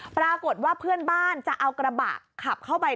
ปรากฏว่าเพื่อนบ้านจะเอากระบะขับเข้าไป